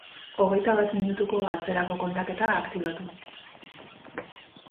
Hogeita bat minutuko atzerako kontaketa aktibatu.